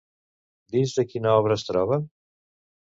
Dins de quina obra es troba?